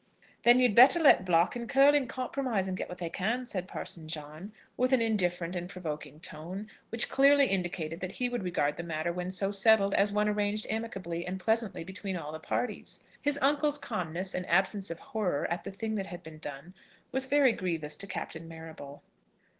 "Then you'd better let Block and Curling compromise and get what they can," said Parson John, with an indifferent and provoking tone, which clearly indicated that he would regard the matter when so settled as one arranged amicably and pleasantly between all the parties. His uncle's calmness and absence of horror at the thing that had been done was very grievous to Captain Marrable.